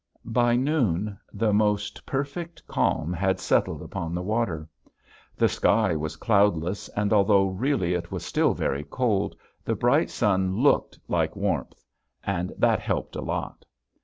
By noon the most perfect calm had settled upon the water. The sky was cloudless, and although really it was still very cold the bright sun looked like warmth and that helped a lot.